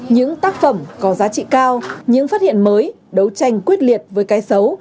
những tác phẩm có giá trị cao những phát hiện mới đấu tranh quyết liệt với cái xấu